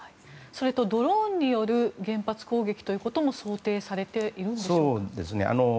それとドローンによる原発攻撃ということも想定されているんでしょうか。